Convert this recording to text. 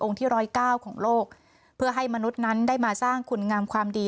ที่ร้อยเก้าของโลกเพื่อให้มนุษย์นั้นได้มาสร้างคุณงามความดี